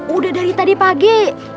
udah dari tadi pagi